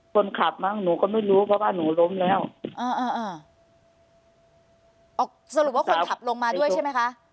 คนขับมั้งหนูก็ไม่รู้เพราะว่าหนูล้มแล้วอ่าอ่าสรุปว่าคนขับลงมาด้วยใช่ไหมคะ